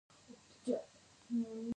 افغانستان پنځه زر کلن تاریخ لري.